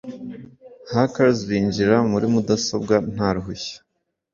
Hackers binjira muri mudasobwa nta ruhushya.